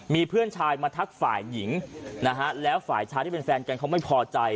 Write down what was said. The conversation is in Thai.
มีเพื่อนชายมาทักฝ่ายหญิงนะฮะแล้วฝ่ายชายที่เป็นแฟนกันเขาไม่พอใจ